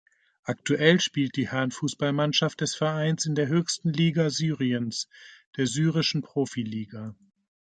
Aktuell spielt die Herren-Fußballmannschaft des Vereins in der höchsten Liga Syriens, der Syrischen Profiliga.